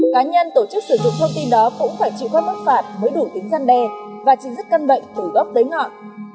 cá nhân tổ chức sử dụng thông tin đó cũng phải chịu khoát mức phạt mới đủ tính gian đe và trình dứt căn bệnh từ góc tới ngọn